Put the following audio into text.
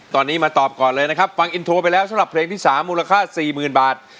ตอนนี้มาตอบก่อนเลยนะครับฟังอินโทรไปแล้วสำหรับเพลงที่๓มูลค่า๔๐๐๐บาท